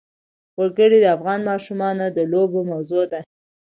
وګړي د افغان ماشومانو د لوبو موضوع ده.